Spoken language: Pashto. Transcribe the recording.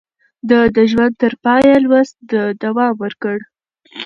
ده د ژوند تر پايه لوست ته دوام ورکړ.